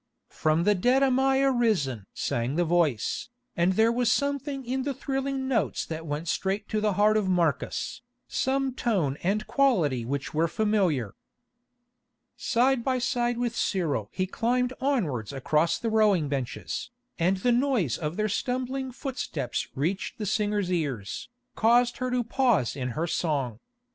"From the dead am I arisen" sang the voice, and there was something in the thrilling notes that went straight to the heart of Marcus, some tone and quality which were familiar. Side by side with Cyril he climbed onwards across the rowing benches, and the noise of their stumbling footsteps reaching the singer's ears, caused her to pause in her song.